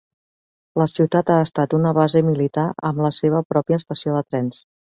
La ciutat ha estat una base militar amb la seva pròpia estació de trens.